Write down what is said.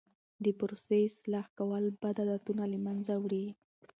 د پروسې اصلاح کول بد عادتونه له منځه وړي.